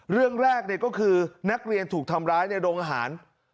เรื่องแรกก็คือนักเรียนถูกทำร้ายในโรงอาหาร